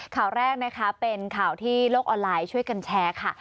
ข่าวแรกนะคะเป็นข่าวที่โลกออนไลน์ช่วยกันแชร์ค่ะ